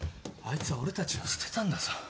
あいつは俺たちを捨てたんだぞ。